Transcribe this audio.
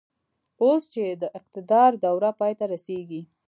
اوس چې يې د اقتدار دوره پای ته رسېږي.